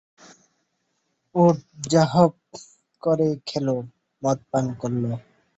উট যবাহ করে খেল, মদপান করল।